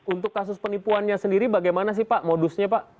untuk kasus penipuannya sendiri bagaimana sih pak modusnya pak